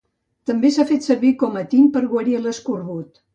També s'ha fet servir com a tint i per guarir l'escorbut.